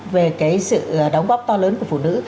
về cái sự đóng góp to lớn của phụ nữ